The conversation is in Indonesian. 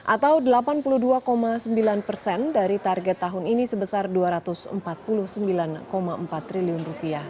atau rp delapan puluh dua sembilan persen dari target tahun ini sebesar rp dua ratus empat puluh sembilan empat triliun